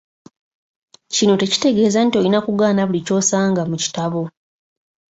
Kino tekitegeeza nti olina kugaana buli ky'osanga mu kitabo.